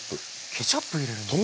ケチャップ入れるんですね。